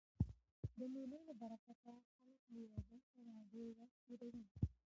د مېلو له برکته خلک له یو بل سره ډېر وخت تېروي.